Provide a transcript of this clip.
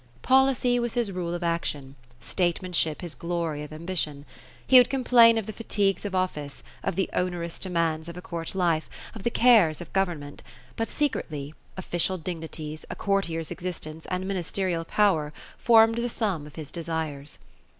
Policy was his rule of action ; statesmanship his glory of ambition. He would complain of the fatigues of office ; of the onerous demands of a court life ; of the cares of government ; but secretly, official dignities, a courtier's existence, and ministerial power, formed the sum of his de sires.